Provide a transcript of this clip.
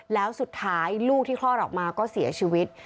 แล้วสุดท้ายลูกที่คลอดออกมาก็เสียชีวิต